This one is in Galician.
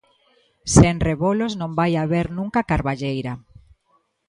Sen rebolos non vai haber nunca carballeira.